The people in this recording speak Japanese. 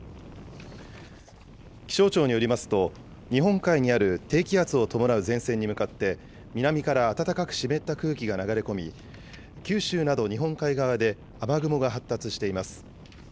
気象庁によりますと、日本海にある低気圧を伴う前線に向かって、南から暖かく湿った空気が流れ込み、九州など日本海側で、雨雲が発達しています。